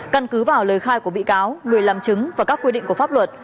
căn cứ vào lời khai của bị cáo người làm chứng và các quy định của pháp luật